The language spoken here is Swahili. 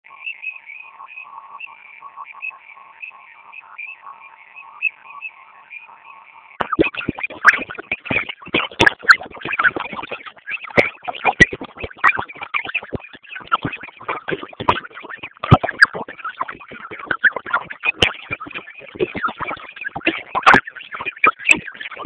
Milima na mabonde.